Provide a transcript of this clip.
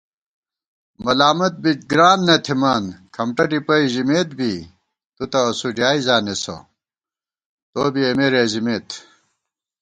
ملامت بِک گران نہ تھِمان کھمٹہ ڈِپَئی ژِمېت بی * تُو تہ اسُو ڈیائےزانېسہ توبی اېمےرېزِمېت